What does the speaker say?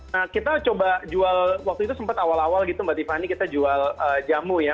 nah kita coba jual waktu itu sempat awal awal gitu mbak tiffany kita jual jamu ya